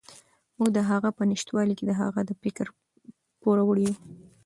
موږ د هغه په نشتوالي کې د هغه د فکر پوروړي یو.